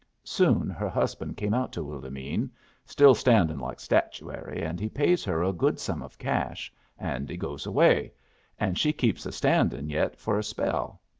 Soon her husband came out to Willomene, still standin' like statuary, and he pays her a good sum of cash, and he goes away, and she keeps a standing yet for a spell.